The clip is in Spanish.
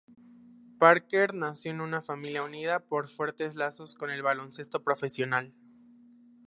Parker nació en una familia unida por fuertes lazos con el baloncesto profesional.